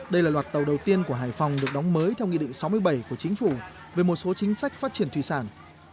đây là loạt tàu đầu tiên của hải phòng được đóng mới theo nghị định sáu mươi bảy của chính phủ về một số chính sách phát triển thủy sản